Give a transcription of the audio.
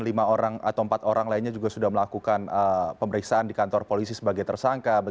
lima orang atau empat orang lainnya juga sudah melakukan pemeriksaan di kantor polisi sebagai tersangka